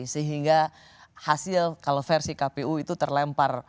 sehingga hasil kalau versi kpu itu terlempar